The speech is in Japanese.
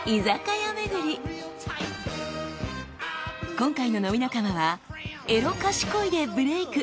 今回の飲み仲間はエロかしこいでブレイク。